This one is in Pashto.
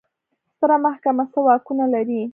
ستره محکمه څه واکونه لري؟